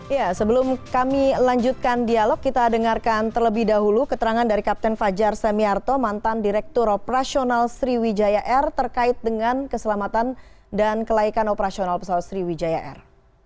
ya sebelum kami lanjutkan dialog kita dengarkan terlebih dahulu keterangan dari kapten fajar semiarto mantan direktur operasional sriwijaya air terkait dengan keselamatan dan kelaikan operasional pesawat sriwijaya air